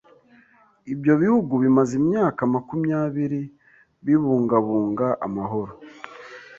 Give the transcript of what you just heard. Ibyo bihugu bimaze imyaka makumyabiri bibungabunga amahoro.